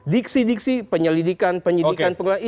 diksi diksi penyelidikan penyidikan